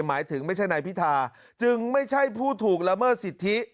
หมายถึงไม่ใช่นายพิธาจึงไม่ใช่ผู้ถูกละเมิดสิทธิ